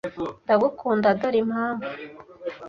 ndagukunda dore impamvu